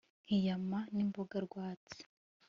nk'inyama n'imboga rwatsi